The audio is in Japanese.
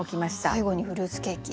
最後に「フルーツケーキ」。